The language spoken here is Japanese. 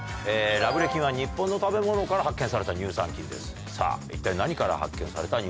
ラブレ菌は日本の食べ物から発見された乳酸菌です。